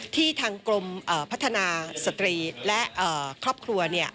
ที่ทางกลมพัฒนาสตรีทและครอบครัวเนี่ย